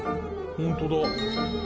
本当だ。